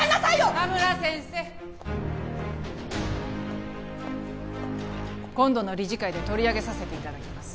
田村先生今度の理事会で取り上げさせていただきます